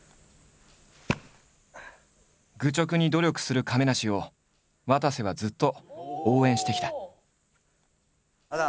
愚直に努力する亀梨をわたせはずっと応援してきた。